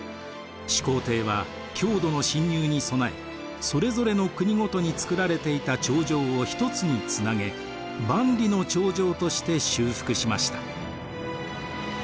始皇帝は匈奴の侵入に備えそれぞれの国ごとに造られていた長城を一つにつなげ万里の長城として修復しました。